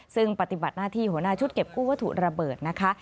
ซึ่งปฏิบัติหน้าที่หัวหน้าชุดเก็บกู้วัตถุระเบิดนะคะ